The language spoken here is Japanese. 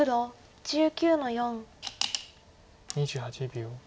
２８秒。